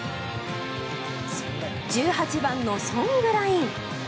１８番のソングライン。